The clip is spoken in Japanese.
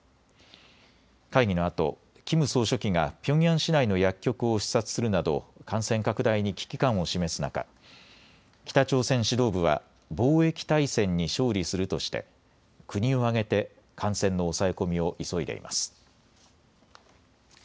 会議のあとキム総書記がピョンヤン市内の薬局を視察するなど感染拡大に危機感を示す中、北朝鮮指導部は防疫大戦に勝利するとして国を挙げて感染の抑え込みを急いでいます。